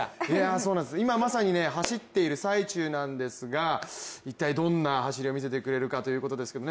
今まさに走っている最中なんですが、一体どんな走りを見せてくれるかということですけどね。